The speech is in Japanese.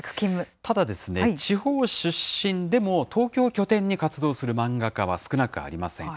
ただ、地方出身でも東京を拠点に活動する漫画家は少なくありません。